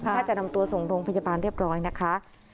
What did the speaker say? ถ้าจะนำตัวส่งโรงพยาบาลเรียบร้อยนะคะ